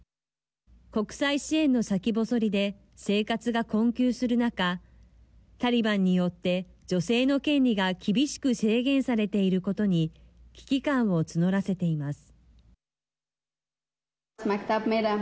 国際支援の先細りで生活が困窮する中タリバンによって女性の権利が厳しく制限されていることに危機感を募らせています。